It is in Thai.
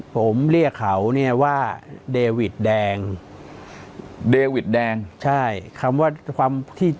ผมเรียกเขาเนี่ยว่าเดวิดแดงเดวิดแดงใช่คำว่าความที่